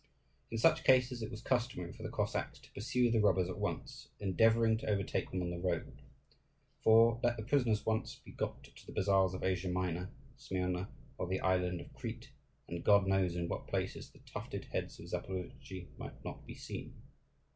In such cases it was customary for the Cossacks to pursue the robbers at once, endeavouring to overtake them on the road; for, let the prisoners once be got to the bazaars of Asia Minor, Smyrna, or the island of Crete, and God knows in what places the tufted heads of Zaporozhtzi might not be seen.